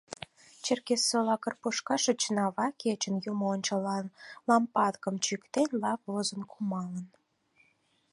Черкесола Карпушка шочынава кечын, юмо ончылан лампадкым чӱктен, лап возын кумалын.